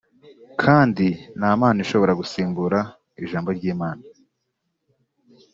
kandi nta mpano ishobora gusimbura Ijambo ry’Imana